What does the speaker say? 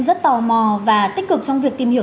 rất tò mò và tích cực trong việc tìm hiểu